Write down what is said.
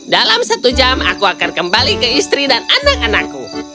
dalam satu jam aku akan kembali ke istri dan anak anakku